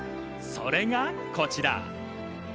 それがこちら。